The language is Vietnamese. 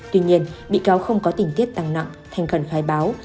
tuy nhiên bị cáo không có tình tiết tăng nặng thành khẩn khai báo